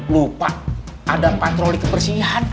lupa ada patroli kebersihan